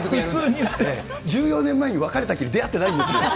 １４年前に別れたきりで会ってないんですよ。